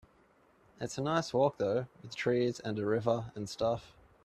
It's a nice walk though, with trees and a river and stuff.